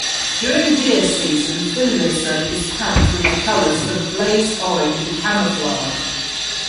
During deer season, Finlayson is packed with the colors of blaze orange and camouflage.